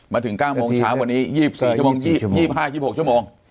มาถึง๙โมงเช้าวันนี้๒๕๒๖ชั่วโมง